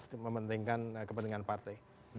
yang diperhatikan kepentingan partai